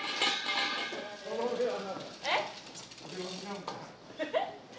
えっ？